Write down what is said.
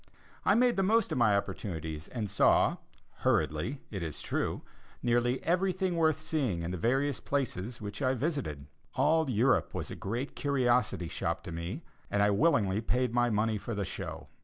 I made the most of my opportunities and saw, hurriedly, it is true, nearly everything worth seeing in the various places which I visited. All Europe was a great curiosity shop to me and I willingly paid my money for the show.